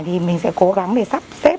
thì mình sẽ cố gắng để sắp xếp